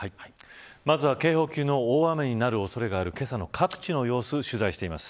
まずは警報級の大雨になる恐れがあるけさの各地の様子を取材しています。